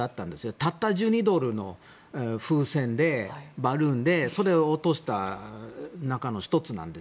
たった１２ドルの風船でバルーンでそれを落とした中の１つなんです。